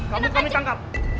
kamu kamu tangkap